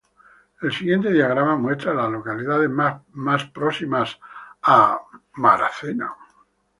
El siguiente diagrama muestra a las localidades más próximas a Triangle.